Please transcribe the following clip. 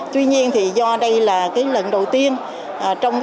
tuy nhiên thì do đây là cái lần đầu tiên